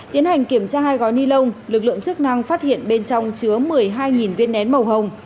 tiến hành kiểm tra hai gói ni lông lực lượng chức năng phát hiện bên trong chứa một mươi hai viên nén màu hồng